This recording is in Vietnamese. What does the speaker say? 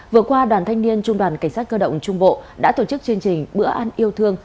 vừa qua đoàn thanh niên trung đoàn cảnh sát cơ động trung bộ đã tổ chức chương trình bữa ăn yêu thương